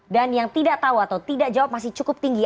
dan yang tidak tahu atau tidak jawab masih cukup tinggi